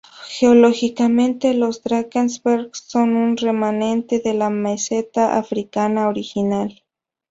Geológicamente, los Drakensberg son un remanente de la meseta africana original.